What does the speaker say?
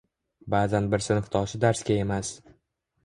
Ba'zan bir sinfdoshi darsga emas